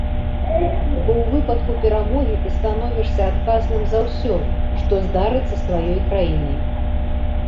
Бо ў выпадку перамогі ты становішся адказным за ўсё, што здарыцца з тваёй краінай.